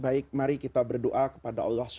baik mari kita berdoa kepada allah swt